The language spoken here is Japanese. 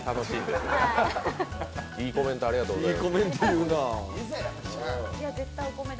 いいコメントありがとうございます。